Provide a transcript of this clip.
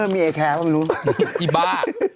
อีบ๊า